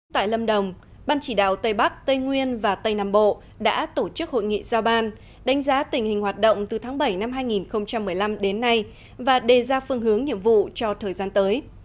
tại lâm đồng ban chỉ đạo tây bắc tây nguyên và tây nam bộ đã tổ chức hội nghị giao ban đánh giá tình hình hoạt động từ tháng bảy năm hai nghìn một mươi năm đến nay và đề ra phương hướng nhiệm vụ cho thời gian tới